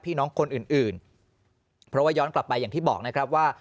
น้องคนอื่นอื่นเพราะว่าย้อนกลับไปอย่างที่บอกนะครับว่า